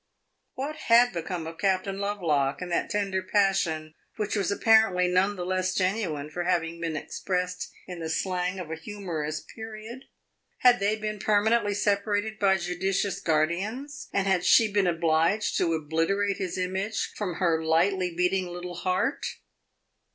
What had become of Captain Lovelock and that tender passion which was apparently none the less genuine for having been expressed in the slang of a humorous period? Had they been permanently separated by judicious guardians, and had she been obliged to obliterate his image from her lightly beating little heart?